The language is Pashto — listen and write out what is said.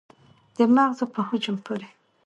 د مغزو په حجم پورې